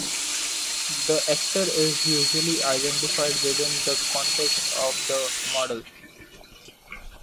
The actor is usually identified within the context of the model.